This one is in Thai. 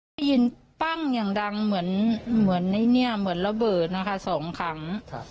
ก็ยินปั้งอย่างดังเหมือนระเบิดนะคะ๒ครั้ง